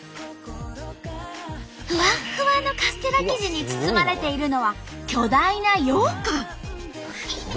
ふわっふわのカステラ生地に包まれているのは巨大なようかん！